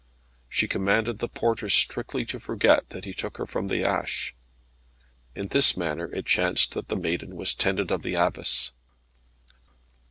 She commanded the porter strictly to forget that he took her from the ash. In this manner it chanced that the maiden was tended of the Abbess.